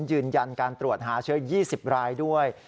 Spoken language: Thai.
ยืนยันการตรวจหาเชื้อ๒๐รายด้วย